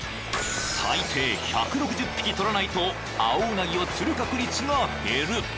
［最低１６０匹捕らないと青うなぎを釣る確率が減る］